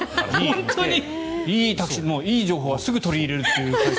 いいタクシー、いい情報はすぐに取り入れるという。